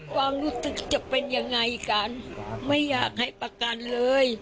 ความรู้สึกจะเป็นยังไงกันไม่อยากให้ประกันเลย